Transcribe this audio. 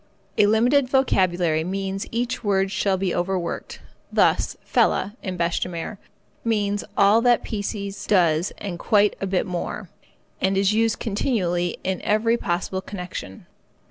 A limited vocabulary means that each word shall be overworked. Thus, fella, in bêche de mer, means all that piecee does and quite a bit more, and is used continually in every possible connection.